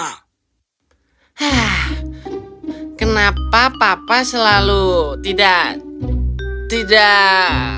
hah kenapa papa selalu tidak tidak